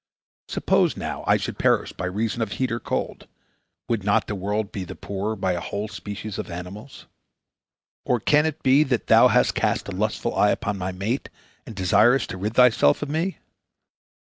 Suppose, now, I should perish by reason of heat or cold, would not the world be the poorer by a whole species of animals? Or can it be that thou hast cast a lustful eye upon my mate, and desirest to rid thyself of me?"